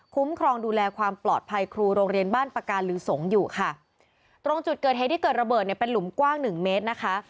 ครองดูแลความปลอดภัยครูโรงเรียนบ้านปากกาลือสงฆ์อยู่ค่ะตรงจุดเกิดเหตุที่เกิดระเบิดเนี่ยเป็นหลุมกว้างหนึ่งเมตรนะคะ